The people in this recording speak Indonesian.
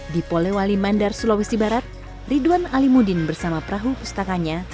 di polewali mandar sulawesi barat ridwan alimudin bersama perahu pustakanya